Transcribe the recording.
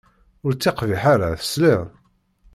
Ur ttiqbiḥ ara, tesliḍ!